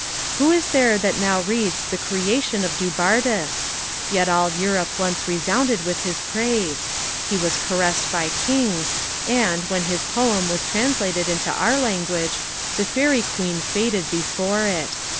Who is there that now reads the Creation of Dubartas? Yet all Europe once resounded with his praise; he was caressed by kings; and, when his Poem was translated into our language, the Faery Queen faded before it.